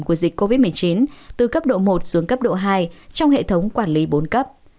của dịch covid một mươi chín từ cấp độ một xuống cấp độ hai trong hệ thống quản lý bốn cấp